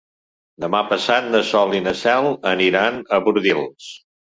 Demà passat na Sol i na Cel aniran a Bordils.